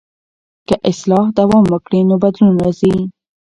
که اصلاح دوام وکړي نو بدلون راځي.